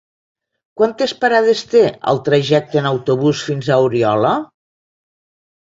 Quantes parades té el trajecte en autobús fins a Oriola?